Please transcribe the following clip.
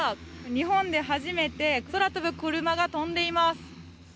日本で初めて空飛ぶクルマが飛んでいます。